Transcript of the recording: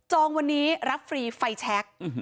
องวันนี้รับฟรีไฟแชค